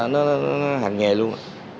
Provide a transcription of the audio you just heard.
nó hành nghề luôn